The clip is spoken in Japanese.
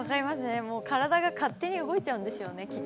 体が勝手に動いちゃうんでしょうね、きっと。